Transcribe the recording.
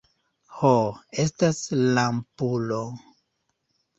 Ho, estas lampulo.